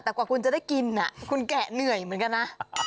แต่กว่าคุณจะได้กินคุณแกะเหนื่อยเหมือนกันนะ